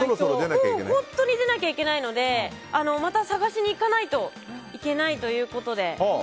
もう本当に出なきゃいけないのでまた探しに行かないといけないということで。